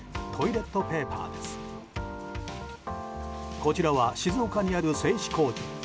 こちらは静岡にある製紙工場。